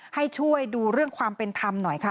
ให้ช่วยดูเรื่องความเป็นธรรมหน่อยค่ะ